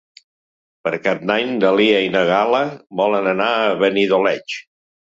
Per Cap d'Any na Lia i na Gal·la volen anar a Benidoleig.